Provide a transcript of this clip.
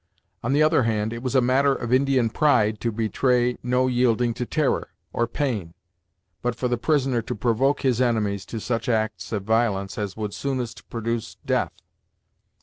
On the other hand, it was a matter of Indian pride to betray no yielding to terror, or pain, but for the prisoner to provoke his enemies to such acts of violence as would soonest produce death.